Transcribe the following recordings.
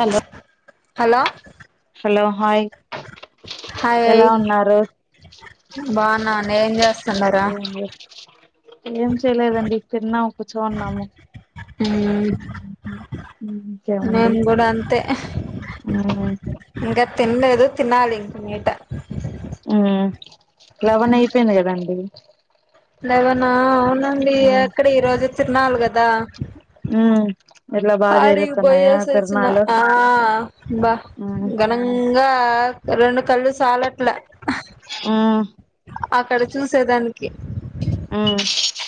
Hello hello hello hi hi ఎలా ఉన్నారు బాగున్నావా అన్న ఏం చేస్తున్నారు ఏం ఏం చేయలేదండి తిన్నాము కూర్చోని ఉన్నాము. మ్మ్ మేము కూడా అంతే మ్మ్ ఇంకా తినలేదు తిన్నాలి ఇంకా మీట ఉమ్ లెవన్ అయిపేయింది కదండి. లేవనా అవునండి ఎక్కడ ఈ రోజు తిన్నాలి కదా ఉమ్ పాడికి పోయేసీ వచ్చిన ఆ బ్బా ఉమ్ గనం న్గా రెండు కళ్ళు సాలేట్లా ఆ అక్కడ చూసేదానికి ఉమ్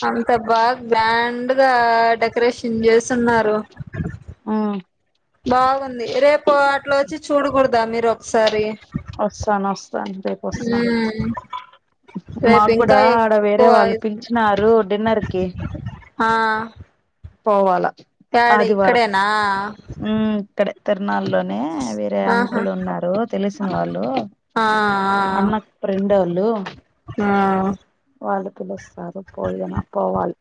అంత బాగ్ గ్రాండ్ గా డెకరేషన్ చేస్తున్నారు. ఉమ్ బాగుంది. రేపు అట్ల వచ్చి చూడకూడదా మీరు ఒకసారి వస్సన్ వస్థన్ రేపుస్థన్ ఉమ్ రేపు మాక్ ఇంకా కూడా అడ వేరే ఎక్కువ వాళ్ళు పిలిచినారు డిన్నర్ కి ఆ పోవాల యాడ ఆదివారం ఇక్కడేనా ఉమ్ ఇక్కడే తిరునాల్ లోనే ఆ వేరే ఆహా అంకులు ఉన్నారు. తెలిసిన వాళ్ళు ఆ అన్నకి ఫ్రెండ్ ఓళ్ళు ఆ పోయినా పోవాలి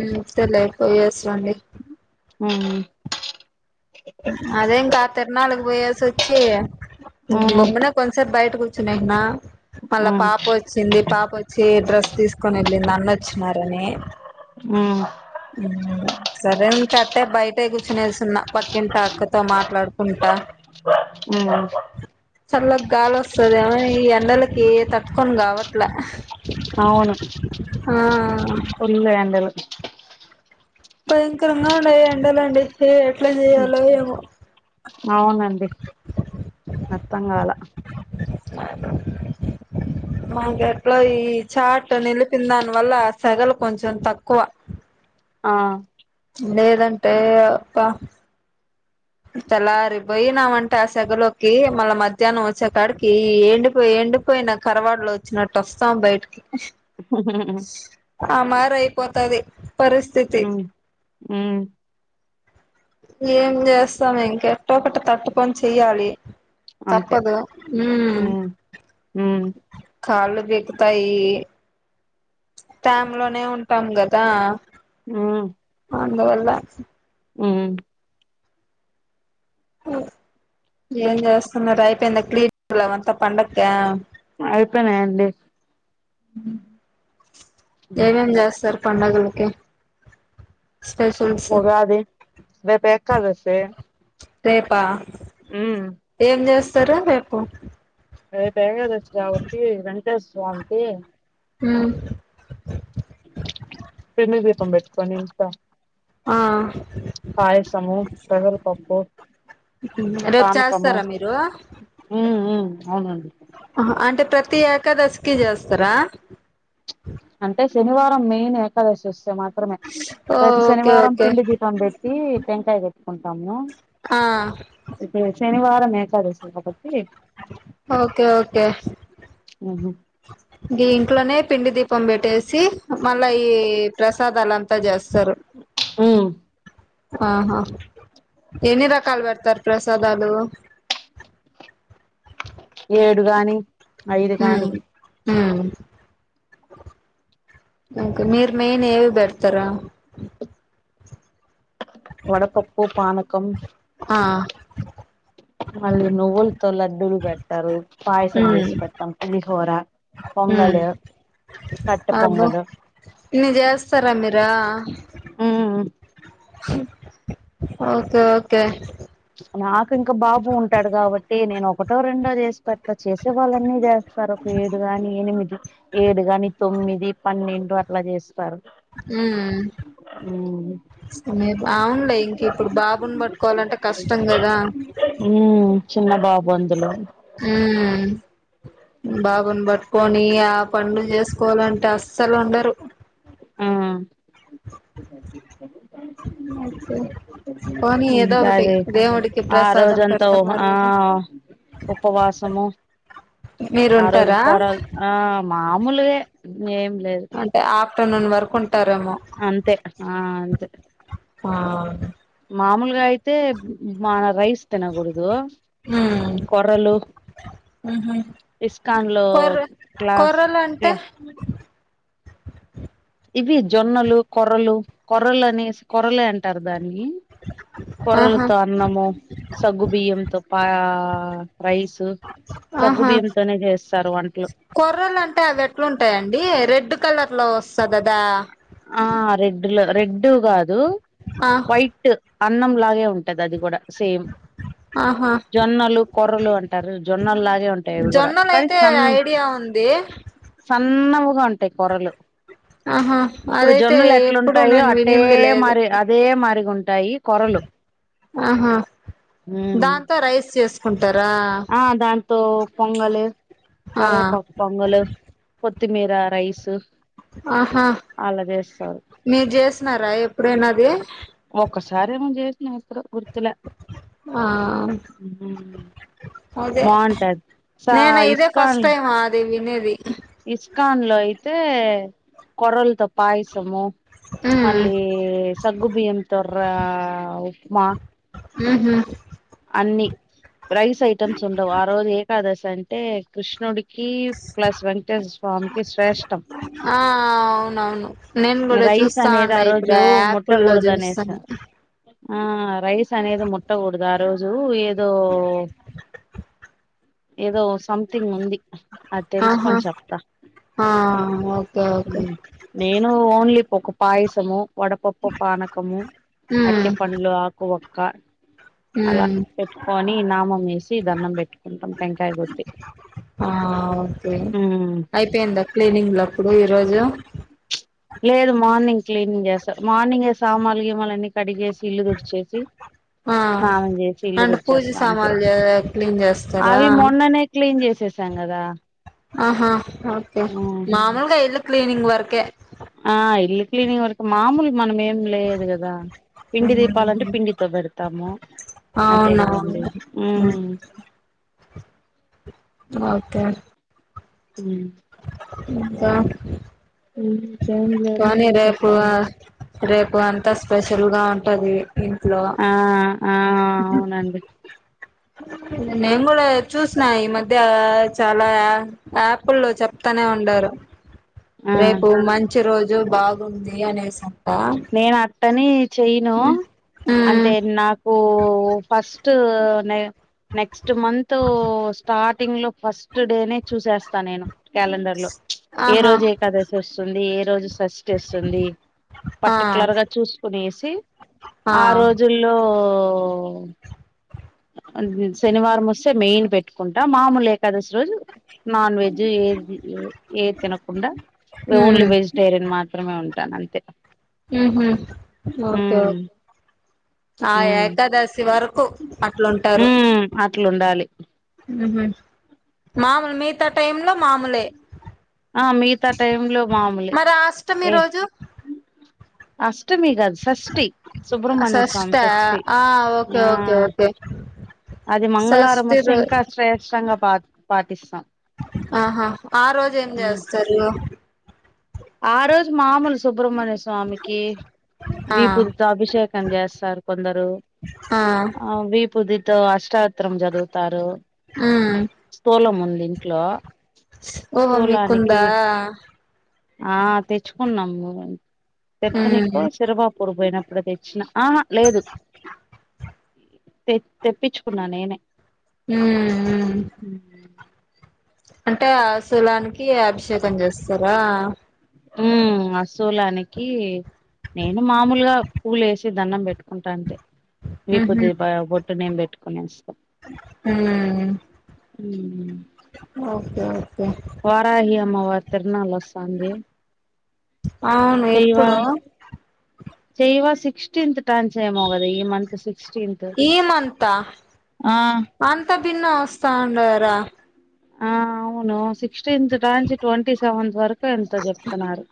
ఉమ్ సర్లే పోయెస్ రండి. ఉమ్ అదేం కాద్ ఇంకా తిరునాళకి పోయాసి వచ్చి ఉమ్ బొమ్మనే కొంచసెప్ బయటకు నిన్న మళ్ళ ఉమ్ పాప వచ్చింది. పాప వచ్చి డ్రెస్ తీసుకొని ఎల్ నిన్న అన్నొచ్చినారని ఉమ్ సరే ఇంకాట్టే బయటే కూర్చునేసున్నా పక్కింటి ఆక్కతో మాట్లాడుకుంటా ఉమ్ చల్లగా గాలిస్తోదా ఈ ఎండలకి తట్టుకొని కావట్లా అవును ఫుల్ ఎండలు భయకరంగా ఉండాయి ఈ ఎండల అండి. అవునండి. అర్థం కాలా మా గట్లో ఈ చాట్ నిలిపిన దాన్ వల్ల సెగలు కొంచెం తక్కువ ఆ లేదంటే ఒక్క తెల్లారి పోయినామంటే ఆ సెగలోకి మళ్ళా మధ్యాహ్నం వచ్చే కాడికి ఎండిపోయి ఎండిపో పోయినా కరవాన్ లో వచ్చినట్టు వస్తాం బయటికి ఆ మారి అయిపోతది పరిస్థితి ఉమ్ ఉమ్ ఏం చేస్తాం ఇంకెట్టో కట్ తట్టుకోని చెయ్యాలి. అంతే తప్పదు హుమ్ ఉమ్ ఉమ్ కాళ్ళు బికుతాయి. టామ్ లోనే ఉంటాం కదా ఉమ్ అందువల్ల ఉమ్ ఏం చేస్తున్నారు అయిపోయిందా క్లీనింగ్ అంతా పండక్కి అయిపోయినాఅండి. ఎవేం చేస్తారు. పండుగలకి స్పెషల్స్ ఉగాది రేపు ఏకాదశి రేపా ఉమ్ ఏం చేస్తారు. రేపు అపు ఏకాదశి కాబట్టి వెంకటేశ్వర స్వామికి హ పరు మీ దీపం పెట్టుకొని ఇంకా ఆ పయసమం పసారాపప్పు రేపు పానకము చేస్తారా మీరు ఆహా అవునండి ప్రతి్యాకాదశకి చేస్తారా అంటే శనివారం మెయిన్ ఏకాదశి వస్తు మాత్రమే ఓ అయితే ఓకే శనివారం ఓకే పిండి దీపం పెట్టి టంకాయ కట్టుకుంటాము ఆ ఇప్పుడు శనివారం ఏకాదశ పటిి ఓకే ఓకే ఉహు దీ అట్లోనే పిండి దీపం పెట్టేసి మళ్ళా ఈ ప్రసాదాలుంతా చేస్త ఆ ఆహా ఎన్ని రకాలు బర్తారు ప్రసాదాలు ఏడు కాని ఐదు కాగాని ఆ ఓకే మీరు మెయిన్ ఏవి పెడతారా వడపప్పు పనకం ఆ మళ్ళ నువ్వులతో లడ్డలు పెడతారు పాయసం ఉమ్ వేసి పెడతాం పులిహోర పొంగాలి అబో న చేస్తారా మీరా ఉమ్ ఓకే ఓకే నాకు ఇంకా బాబు ఉంటాడు కాబట్టి నేను ఒకటో రెండో చేసి పెట్ట చే వాళ్ళన్నీ చేస్తారు ఒక ఏడు గాని ఎనిమిది ఏడు గాని తొమ్మిది పన్నెండు అట్లా చేస్తారు ఉమ్ బావున్నాయి ఇంక ఇప్పుడు బాబును పట్టుకోవాలంటే కష్టంగాదా ఉమ్ చిన్న బాబు అందులో బాబును పట్టుకొని ఆ పంలు చేసుకోవాలంటే అస్సలు ఉండరు ఆ ఓకే పోనీ ఏదో ఒకటి ఇంకాది దేవుడికి ఆ ప్రసాదం రోజంతా పెడుతున్నారు ఆ కదా ఉపవాసము ఆ రోజు మీరుంటారా కూరలు ఆ మామూలువె ఏం లేదు నన్న వరకుంట అంతే ఆ అంతే అను మామూలుగా అయితే మన రైస్ తినకూడదు కొర్రలు హ ఇస్కాన్ లో కొర్ర క్లాస్ కొర్రలు అంటే క్లా ఇవి జొన్నలు కొరలు కొరలని కొరళ అంటారు దా ఆహా కొర్రలతో అన్నము సగ్గు బియ్యంతో పా రైసు ఆహా కొర్రలు అంటే అవి ఎట్లుంటాయంండి రెడ్ కలర్ లో సదదా ఆ రెడ్ లో రెడ్డు కాదు ఆ వైట్ అన్నం లాగే ఉంటది అది కూడా సేమ్ ఆహా జొన్నలు కొర్రలు అంటారు జొన్నలులాగే ఉంటాయివి కూడా కానీ సన్ ముందే సన్నవుగా ఉంటాయి కొరలు ఆహా ఇప్పుడు అదైతే జొన్నలు ఎప్పుడు ఎట్లుంటాయో నేను అట్టే వినింది లేదు మరి అదే మరిగా ఉంటాఈ కొరలు ఆహా దాంతో రైస్ చేసుకుంటారా ఆ దాంతో పొంగలి ఆ కరేపా పొంగలు కొత్తిమీర రైస్ ఆహా అలా చేస్తారు మీరు చేసిన్నారా ఎప్పుడైనాది ఒకసారిమో చేసిన ఏమో గుర్తులే ఆ అదే బాగుంటది సా నేను ఇదే ఇస్కాన్ ఫస్ట్ టైమ్ అది వినేది ఇస్కాన్ లో అయితే కొర్రలతో పాయసము ఉమ్ మళ్ళీ సగ్గు బియ్యం రా ఉప్మా ఉ హు అన్ని రైస్ ఐటమ్స్ ఉండవు ఆ రోజు ఏకాదశి అంటే కృష్ణుడికి ప్లస్ వెంకటేశ్వ స్వామికి శ్రేష్టం ఆ అవునవును నేను కూడా రైస్ అనేది చూస్తాం ఆ ఇప్పుడు రోజు యాపిల్లో ముట్టకూడదు అనేసి చూస్తాను ఆ రైస్ అనేది ముట్టకూడదు ఆ రోజు ఏ ఏదో ఏదో సంథింగ్ ఉంది అది ఆహా తెలుసుకొని చెత ఆ ఓకే ఓకే నేను ఓన్లీ ఒక పాయసము వడపప్పు పానకము అట్టి ఉమ్ పండ్లు ఆకువక్క అలా ఉమ్ పెట్టుకొని నామం వేసి దండం పెట్టుకుంటాం టంకాయ కొట్టి ఆ ఓకే ఉమ్. అయిపోయిందా క్లినిక్ లో అప్పుడు ఈరోజు లేదు మార్నింగ్ క్లీనింగ్ చేస్తారు మార్నింగే సామాలు గీమలున్న కడిగేసి ఇల్లు తుడిచేసి ఆ స్నానం చేసి ఇల్లు అంటే పూజ తుడిచేస్తా అ సామాన్లు చే క్లీన్ చేస్తారా అవి మొన్ననే క్లీన్ చేసి చేసాంగదా ఆహా ఓకే మామూలుగా ఇల్లు క్లీనింగ్ వర్కే క్లినింగ్ వరకు మామూలు మనమే లేదు కదా పిండి దీపాలంటే ఉమ్ పిండితో పెడతాము అంతే కదండి అవునవును ఉ ఉమ్ ఓకే ఉ ఇకా ఇంకేం లేదు నీ రేపు చెప్పాలి రేపు అంత స్పెషల్ గా ఉంటది ఇంట్లో ఆ ఆ అవునండి నేను కూడా చూసిన ఈ మధ్య చాలా యాపుల్లో చెప్తానే ఉండారు ఆ రేపు మంచి రోజు బాగుంది అనేసి నేను అత్తని చెయను ఉమ్ అంటే నాకు ఫస్ట్ ఫస్ట్ ను నెక్స్ట్ మంత్ స్టార్టింగ్ లో ఫస్ట్ డేనే చూసేస్తా నేను క్యాలెండర్ లో ఏ ఆహా రోజు ఏకాదశి వస్తుంది ఏ రోజు షష్టి వస్తుంది ఆ పటికలేరుగా గా చూసుకునేసి ఆ రోజుల్లో శనివారం వస్తే మెయియని పెట్టుకుంటా మామూలు ఏకాదశి రోజు నాన్ వెజ్ ఏ ఏ తినకుండా ఓన్లీ ఉమ్ వెజిటేరియన్ మాత్రమే ఉంటాను అంతే ఓకే ఉమ్ ఆ ఉమ్ ఏకాదశి వరకు అట్లుంటారు ఉమ్ అట్లుండాలి ఊ మామూలు మిగతా టై లో మామూలే ఆ మిగతా టైమ్ లో మామూలు మరి ఆ అష్టమి ఏ రోజు అష్టమి గదు షష్ఠి సుబ్ర్మణ్య స్వామి షష్ఠా షష్ఠి ఆ ఓకే ఆ ఓకే ఓకే అది మంగళవారం షష్ఠి వస్తే రో ఇంకా శ్రేష్టంగా పా పాటిస్తాం ఆహా ఆ రోజు ఏం ఉమ్ చేస్తారు ఆ రోజు మాముూలు స సుబ్రహ్మణ్య స్వామికి ఆ వీపుదితో అభిషేకం చేస్తారు కొందరు ఆ ఆ విపుదితో అష్టాత్తరం చదువుతారు ఉమ్ స్థూలం ఉంది లింక్ లో ఓహో మీకుందా ఆ తెచ్చుకున్నాం ఉమ్ తెత్తనికో శరవా పొడిపోయినప్పుడు ఇప్పుడు తెచ్చిన ఆ లేదు తె తెప్పించుకున్నా నేనే హ అంటే ఆ సులానికి అభిషేకం చేస్తారా ఉ అ సూలానికి నేను మామూలుగా పూలు వేసి దన్నం పెట్టుకుంటా అంతే విపు ద ఒట్టు నేంబట్టుకొనే హ ఉ ఓకే ఓకే వారహి అమ్మవ తిరునాళ్వ చాందే అవును ఎప్పుడు చెయవా సిక్స్టీన్త్ టాన్ చేయమో కదా ఈ మంత్ సి ఈమంత ఆ అంత భిన్న వస్తా అండార ఆ అవును సిక్స్టీన్త్ న్ంచి ట్వంటీ సెవెంత్ వరకు ఇ ఎంతో చెప్తున్నారు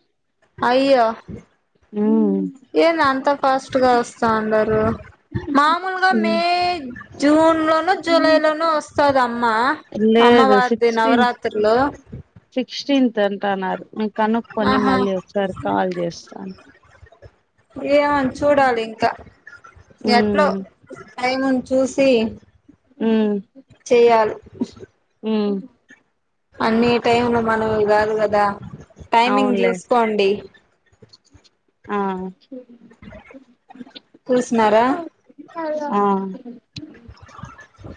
హ ఏనా అంత ఫాస్ట్ గా వస్తాం అన్నారురు మామూలుగా మే జూన్ లోనూ జులై లోనూ వస్తాద అమ్మా అ లేదు అమ్మవారిది సిక్స్టీన్ నవరాత్రిలో సిక్స్టీన్త్ అంట అన్నారు మీ కనుక్కొని ఆహా మళ్ళీ ఒకసారి కాల్ చేస్తాను ఏమని చూడాలి ఇంకా ఎట్లో ఉమ్ టైముని చూసి అ స ఆ అన్ని టైంలు మనం కాదు కదా టైమింగ్ అవునులే చూసుకోండి ఆ తూస్తున్నారా ఆ [inaudible]